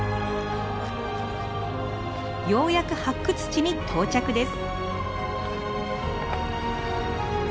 ようやく発掘地に到着です。